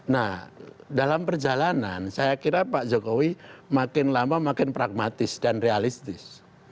nah dalam perjalanan saya kira pak jokowi makin lama makin pragmatis dan realistis